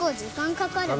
かかるね。